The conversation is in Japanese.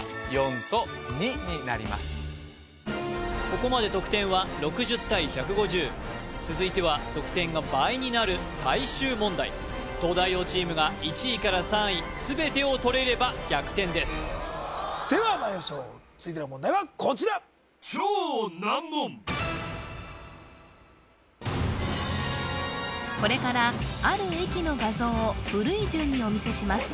ここまで得点は６０対１５０続いては得点が倍になる最終問題東大王チームが１位から３位全てを取れれば逆転ですではまいりましょう続いての問題はこちらこれからある駅の画像を古い順にお見せします